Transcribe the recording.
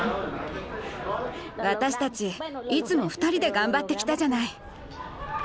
私たちいつも２人で頑張ってきたじゃない。